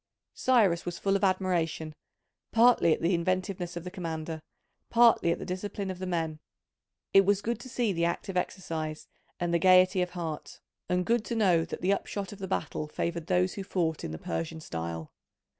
Cyrus was full of admiration, partly at the inventiveness of the commander, partly at the discipline of the men; it was good to see the active exercise, and the gaiety of heart, and good to know that the upshot of the battle favoured those who fought in the Persian style.